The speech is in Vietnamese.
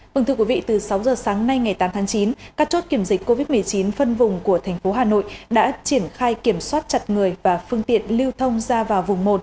mừng thưa quý vị từ sáu giờ sáng nay ngày tám tháng chín các chốt kiểm dịch covid một mươi chín phân vùng của thành phố hà nội đã triển khai kiểm soát chặt người và phương tiện lưu thông ra vào vùng một